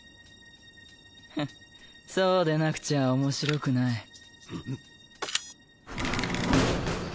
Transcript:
フッそうでなくちゃ面白くない。